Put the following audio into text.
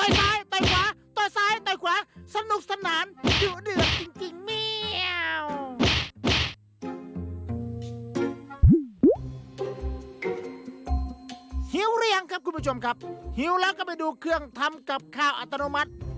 หิวหรือยังครับคุณผู้ชมครับหิวแล้วก็ไปดูเครื่องทำกับข้าวอัตโนมัติ